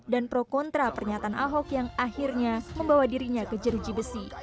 dan pro kontra pernyataan ahok yang akhirnya membawa dirinya ke jeruji besi